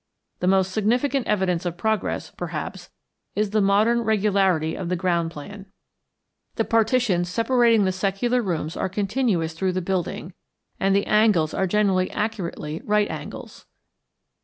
The most significant evidence of progress, perhaps, is the modern regularity of the ground plan. The partitions separating the secular rooms are continuous through the building, and the angles are generally accurately right angles.